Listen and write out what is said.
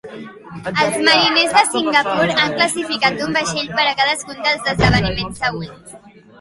Els mariners de Singapur han classificat un vaixell per a cadascun dels esdeveniments següents.